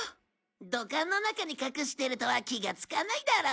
土管の中に隠してるとは気がつかないだろ。